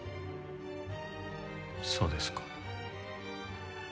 そうですか。